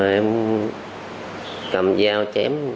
em cầm dao chém